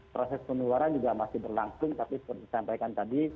proses penularan juga masih berlangsung tapi seperti disampaikan tadi